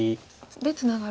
でツナがる。